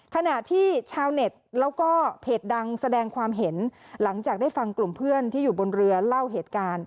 ขณะที่ชาวเน็ตแล้วก็เพจดังแสดงความเห็นหลังจากได้ฟังกลุ่มเพื่อนที่อยู่บนเรือเล่าเหตุการณ์